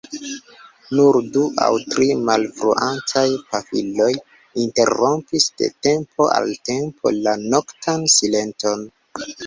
Nur du aŭ tri malfruantaj pafiloj interrompis de tempo al tempo la noktan silenton.